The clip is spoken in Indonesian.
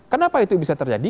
kenapa itu bisa terjadi